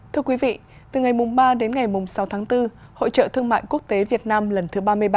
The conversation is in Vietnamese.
thưa quý vị từ ngày ba đến ngày sáu tháng bốn hội trợ thương mại quốc tế việt nam lần thứ ba mươi ba